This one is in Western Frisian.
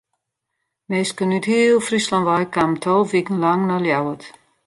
Minsken út heel Fryslân wei kamen tolve wiken lang nei Ljouwert.